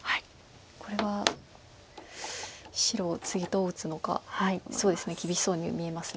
これは白次どう打つのか厳しそうに見えます。